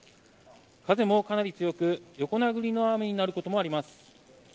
風もかなり強く、横殴りの雨になることもあります。